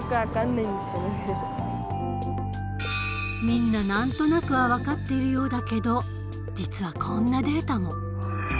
みんな何となくは分かっているようだけど実はこんなデータも。